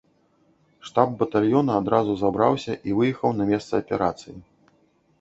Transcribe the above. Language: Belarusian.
Штаб батальёна адразу забраўся і выехаў на месца аперацыі.